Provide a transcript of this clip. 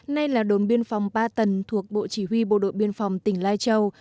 nay là đồn biên phòng ba tầng thuộc bộ chỉ huy bộ đội biên phòng tỉnh lai châu